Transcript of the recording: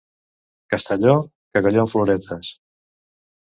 Castelló, cagalló amb floretes.